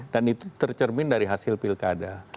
dan itu tercermin dari hasil pilkada